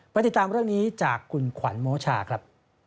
ติดตามเรื่องนี้จากคุณขวัญโมชาครับ